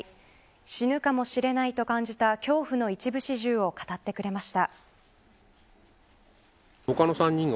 死ぬかもしれないと感じた恐怖の一部始終を語ってくれました。